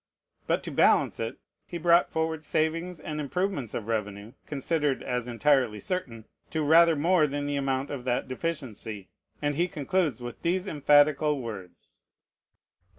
But to balance it, he brought forward savings and improvements of revenue (considered as entirely certain) to rather more than the amount of that deficiency; and he concludes with these emphatical words (p.